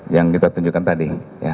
yang kita tunjukkan tadi